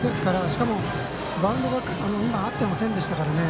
しかも、バウンドが今合っていませんでしたからね。